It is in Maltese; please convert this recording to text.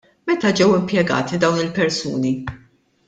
Meta ġew impjegati dawn il-persuni?